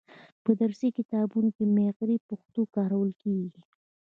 په درسي کتابونو کې معیاري پښتو کارول کیږي.